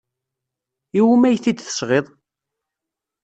I wumi ay t-id-tesɣiḍ?